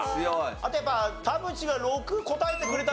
あとやっぱ田渕が６答えてくれたの大きかった。